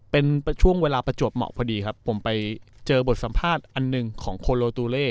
เป็นช่วงเวลาประจวบเหมาะพอดีครับผมไปเจอบทสัมภาษณ์อันหนึ่งของโคโลตูเล่